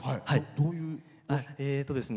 どういう？